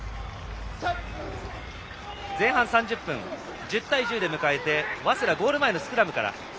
前半３０分、１０対１０で迎えて早稲田、ゴール前のスクラムから。